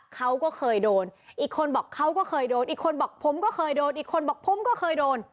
เขาก็เคยโดนอีกคนบอกเขาก็เคยโดนอีกคนบอกผมก็เคยโดนอีกคนบอกผมก็เคยโดน